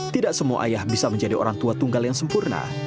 tidak semua ayah bisa menjadi orang tua tunggal yang sempurna